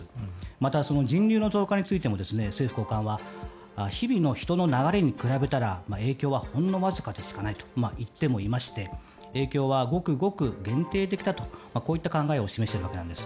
また人流の増加についても政府高官は日々の人の流れに比べたら影響はほんのわずかしかでないと言ってもいまして影響はごくごく限定的だとこういった考えを示しているわけなんです。